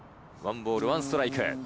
１ボール１ストライク。